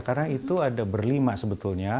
karena itu ada berlima sebetulnya